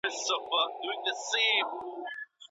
د درس ترمنځ وقفه د ذهن د ارامولو لپاره اړینه ده.